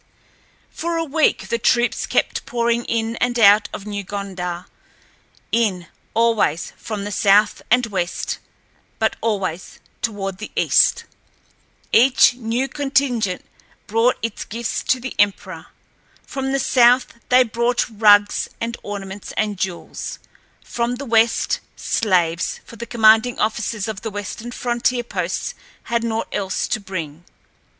For a week the troops kept pouring in and out of New Gondar—in, always, from the south and west, but always toward the east. Each new contingent brought its gifts to the emperor. From the south they brought rugs and ornaments and jewels; from the west, slaves; for the commanding officers of the western frontier posts had naught else to bring.